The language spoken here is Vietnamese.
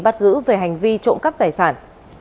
bắt giữ về hành vi trộm cắp tài sản